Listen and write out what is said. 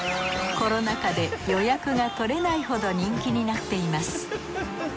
コロナ禍で予約が取れないほど人気になっています。